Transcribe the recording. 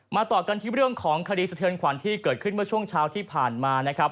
ต่อกันที่เรื่องของคดีสะเทือนขวัญที่เกิดขึ้นเมื่อช่วงเช้าที่ผ่านมานะครับ